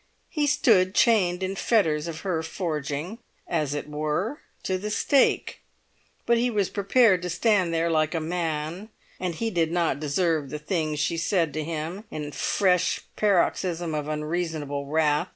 He stood chained in fetters of her forging, as it were to the stake, but he was prepared to stand there like a man, and he did not deserve the things she said to him in a fresh paroxysm of unreasonable wrath.